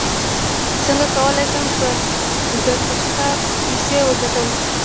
څنګه کولی شم په درپشخه پیسې وګټم